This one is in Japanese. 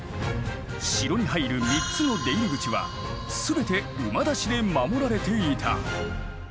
城に入る３つの出入り口は全て馬出しで守られていた。